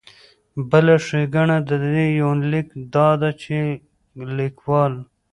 بله ښېګنه د دې يونليک دا ده چې ليکوال